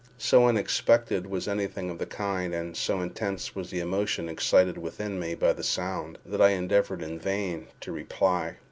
So unexpected was anything of the kind, and so intense was the emotion excited within me by the sound, that I endeavoured in vain to reply.